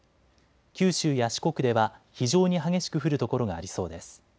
九州や四国では非常に激しく降る所がありそうです。